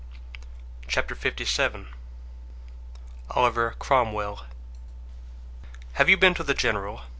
Chapter LVII. Oliver Cromwell. Have you been to the general?"